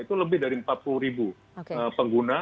itu lebih dari empat puluh ribu pengguna